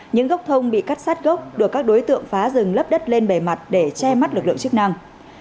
những gốc thông bị cắt sát gốc được các đối tượng phá rừng lấp đất lên bề mặt để che mắt lực lượng chức năng